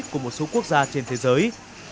của một số quốc gia trên thế giới